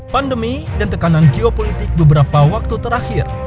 pandemi dan tekanan geopolitik beberapa waktu terakhir